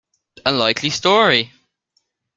A likely story!